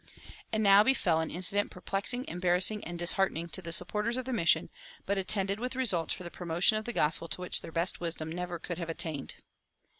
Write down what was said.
And now befell an incident perplexing, embarrassing, and disheartening to the supporters of the mission, but attended with results for the promotion of the gospel to which their best wisdom never could have attained.